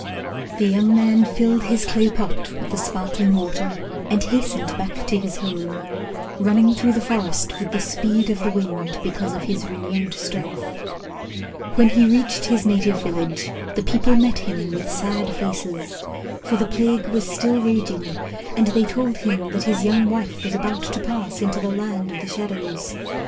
The young man filled his clay pot with the sparkling water and hastened back to his home, running through the forest with the speed of the wind, because of his renewed strength. [Illustration: THEN THE YOUNG MAN LAY DOWN TO SLEEP AND FOX STOOD GUARD BESIDE HIM] When he reached his native village, the people met him with sad faces, for the plague was still raging and they told him that his young wife was about to pass to the Land of the Shadows.